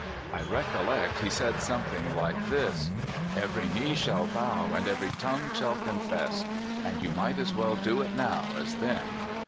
I recollect he said something like this: "' Every knee shall bow, and every tongue shall confess;' and you might as well do it now as then."